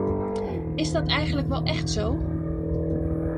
Is dat eigenlijk wel echt zo?